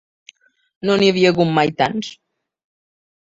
No n’hi havia hagut mai tants.